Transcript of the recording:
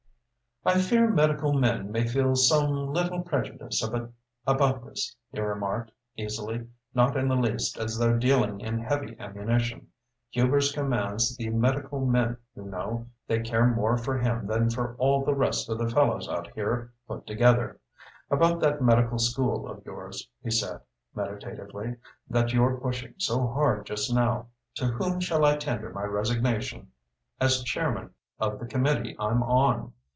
"I fear medical men may feel some little prejudice about this," he remarked, easily not in the least as though dealing in heavy ammunition. "Hubers commands the medical men, you know. They care more for him than for all the rest of the fellows out here put together. About that medical school of yours," he said, meditatively, "that you're pushing so hard just now, to whom shall I tender my resignation as chairman of the committee I'm on?